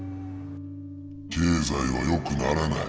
経済はよくならない。